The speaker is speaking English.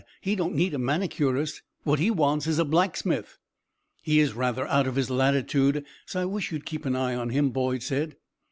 He don't need a manicurist; what he wants is a blacksmith." "He is rather out of his latitude, so I wish you would keep an eye on him," Boyd said.